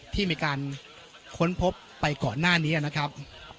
ที่มีการค้นพบไปก่อนหน้านี้นะครับ